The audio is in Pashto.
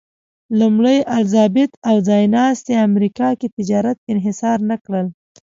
لومړۍ الیزابت او ځایناستي امریکا کې تجارت انحصار نه کړل.